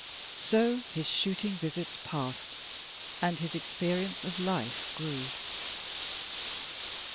So his shooting visits passed, and his experience of life grew.